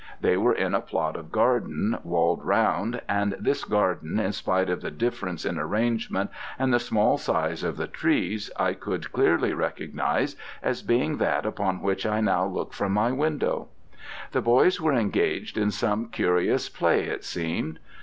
They were in a plot of garden, walled round, and this garden, in spite of the difference in arrangement, and the small size of the trees, I could clearly recognize as being that upon which I now look from my window. The boys were engaged in some curious play, it seemed.